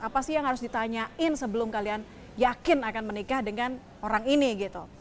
apa sih yang harus ditanyain sebelum kalian yakin akan menikah dengan orang ini gitu